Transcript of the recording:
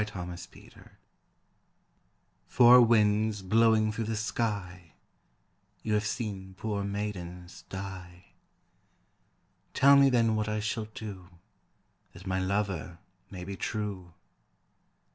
Four Winds "Four winds blowing through the sky, You have seen poor maidens die, Tell me then what I shall do That my lover may be true."